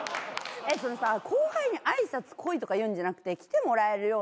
後輩に挨拶来いとか言うんじゃなくて来てもらえるような。